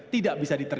tidak bisa diterima